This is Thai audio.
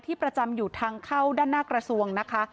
ประจำอยู่ทางเข้าด้านหน้ากระทรวงนะคะ